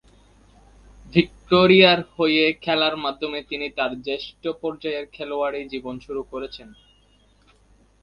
ভিক্টোরিয়ার হয়ে খেলার মাধ্যমে তিনি তার জ্যেষ্ঠ পর্যায়ের খেলোয়াড়ি জীবন শুরু করেছেন।